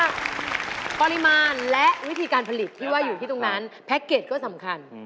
ปริมาณและวิธีการผลิตที่ว่าอยู่ที่ตรงนั้นแพ็คเกจก็สำคัญ